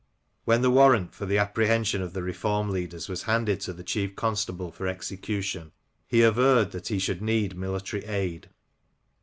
When the warrant for the apprehension of the reform leaders was handed to the chief constable for execution, he averred that he should need military aid.